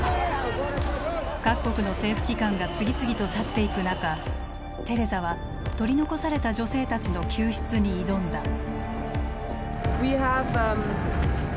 各国の政府機関が次々と去っていく中テレザは取り残された女性たちの救出に挑んだ。